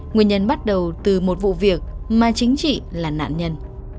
nguyên nhân bắt đầu từ một vụ việc mà chính chị là nạn nhân